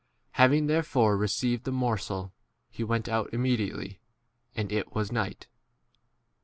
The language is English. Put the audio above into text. Having therefore received the morsel, he° went out immediately ; and it was night.